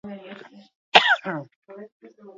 Zergatik da ona zuntza jatea?